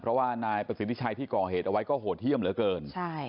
เพราะว่านายประสิทธิชัยที่ก่อเหตุเอาไว้ก็โหดเยี่ยมเหลือเกินใช่